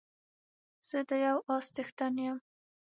زه د يو اس څښتن يم